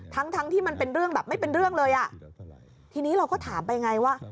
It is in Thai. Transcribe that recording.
ทั้งทั้งที่มันเป็นเรื่องแบบไม่เป็นเรื่องเลยอ่ะทีนี้เราก็ถามไปไงว่า